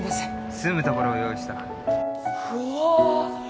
住むところを用意したうわ